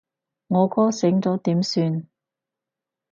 我哥醒咗點算？